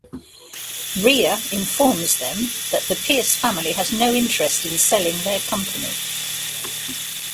Rhea informs them that the Pierce family has no interest in selling their company.